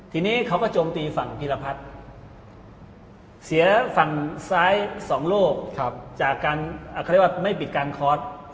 ทีนี้เขาก็โจมตีฝั่งพีรพัฒน์เสียฝั่งซ้าย๒โลกจากการเขาเรียกว่าไม่ปิดการคอร์ส